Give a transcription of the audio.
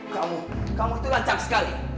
kamu kamu itu lancar sekali